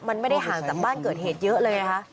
มันไม่ได้ห่างจากบ้านเกิดเหตุเยอะเลยนะคะ